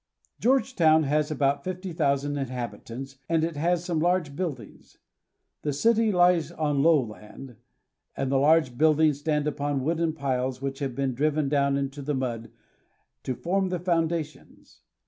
Georgetown has about fifty thousand inhabitants and it has some large buildings. The city lies on low land, and the large buildings stand upon wooden piles which have been driven down into the mud to form the founda tions.